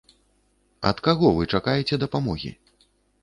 Ад каго вы чакаеце дапамогі?